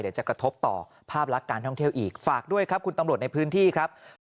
เดี๋ยวจะกระทบต่อภาพลักษณ์การท่องเที่ยวอีกฝากด้วยครับคุณตำรวจในพื้นที่ครับ